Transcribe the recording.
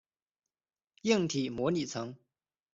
硬体模拟层。